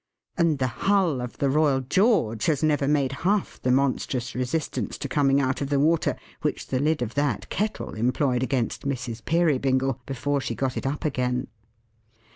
And the hull of the Royal George has never made half the monstrous resistance to coming out of the water, which the lid of that Kettle employed against Mrs. Peerybingle, before she got it up again.